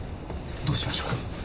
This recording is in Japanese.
どうしましょう。